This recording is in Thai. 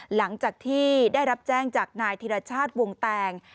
หลังจากที่ได้รับแจ้งจากนายธิรชาติวงแตง